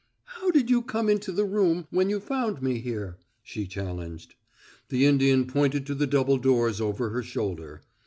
"How did you come into the room when you found me here?" she challenged. The Indian pointed to the double doors over her shoulder.